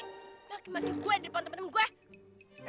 ngaki ngaki gue di depan temen temen gue